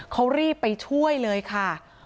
เขารีบไปช่วยเลยค่ะ